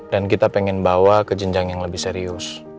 dan kita pengen bawa ke jenjang yang lebih serius